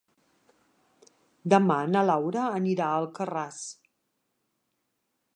Demà na Laura anirà a Alcarràs.